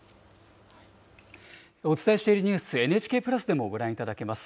お伝えしているニュース、ＮＨＫプラスでもご覧いただけます。